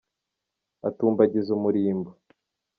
Atumbagiza umurimbo